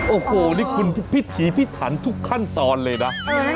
โอ้โหนี่คุณพิธีพิถันทุกขั้นตอนเลยนะ